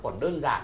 nó còn đơn giản